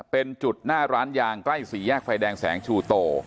เป็นจุดหน้าร้านยางใกล้สี่แยกไฟแดงแสงชูโต